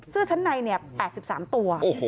เสื้อชั้นในเนี่ยแปดสิบสามตัวโอ้โห